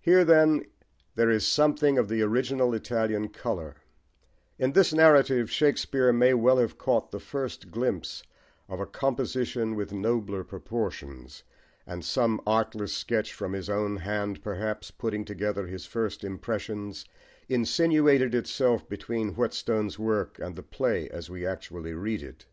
Here, then, there is something of the original Italian colour: in this narrative Shakespeare may well have caught the first glimpse of a composition with nobler proportions; and some artless sketch from his own hand, perhaps, putting together his first impressions, insinuated itself between Whetstone's work and the play as we actually read it.